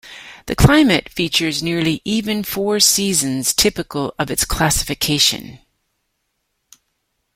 The climate features nearly even four seasons, typical of its classification.